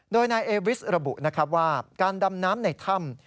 โดยนายเอวิสระบุนะครับว่าการดำน้ำในถ้ำ